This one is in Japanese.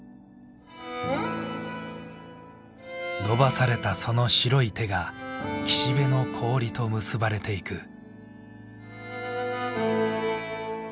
伸ばされたその白い手が岸辺の氷と結ばれていく。